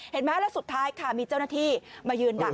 เห็นไหมแล้วสุดท้ายค่ะมีเจ้าหน้าที่มายืนดัก